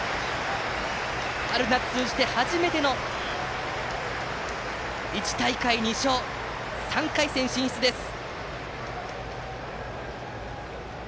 春夏通じて初めての１大会２勝３回戦進出です！